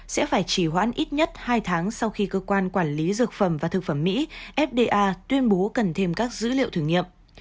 sẽ phải chỉ hoãn ít nhất hai tháng sau khi cơ quan quản lý dược phẩm và thực phẩm mỹ fda tuyên bố cần thêm các dữ liệu thử nghiệm